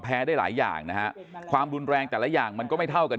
ได้หลายอย่างนะฮะความรุนแรงแต่ละอย่างมันก็ไม่เท่ากัน